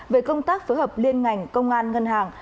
về công tác phối hợp liên ngành công an ngân hàng